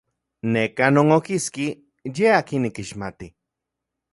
Neka non okiski ye akin nikixmati.